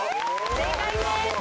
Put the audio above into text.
正解です！